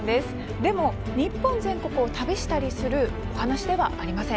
でも、日本全国を旅したりするお話ではありません。